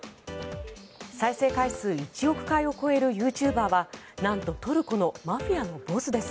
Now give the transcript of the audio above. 再生回数１億回を超えるユーチューバーはなんとトルコのマフィアのボスです。